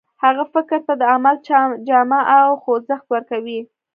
هغه فکر ته د عمل جامه او خوځښت ورکوي.